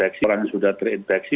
jadi kalau orang sudah terinfeksi